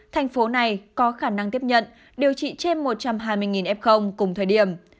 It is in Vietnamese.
thành phố này có khả năng tiếp nhận điều trị trên một trăm hai mươi f cùng thời điểm